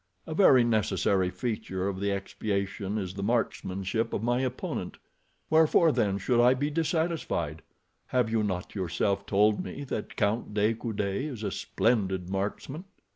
A very necessary feature of the expiation is the marksmanship of my opponent. Wherefore, then, should I be dissatisfied? Have you not yourself told me that Count de Coude is a splendid marksman?"